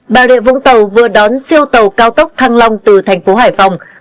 bà rịa vũng tàu vừa đón siêu tàu cao tốc thăng long từ thành phố hải phòng